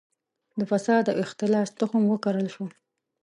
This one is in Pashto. د فساد او اختلاس تخم وکرل شو.